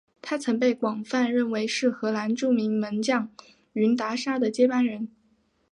他曾被广泛认为是荷兰著名门将云达沙的接班人。